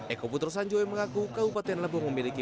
eko putro sanjoyo mengaku kabupaten lebong memiliki